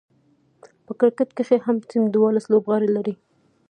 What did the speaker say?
په کرکټ کښي هر ټيم دوولس لوبغاړي لري.